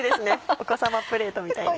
お子さまプレートみたいに。